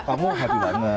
kamu happy banget